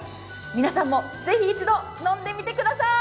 皆さんもぜひ一度、飲んでみてください。